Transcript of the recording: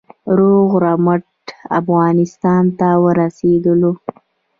روغ رمټ افغانستان ته ورسېدلو.